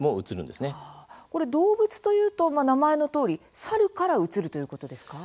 動物というと名前のとおりサルからうつるということですか。